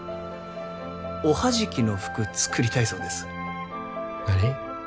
おはじきの服作りたいそうです何？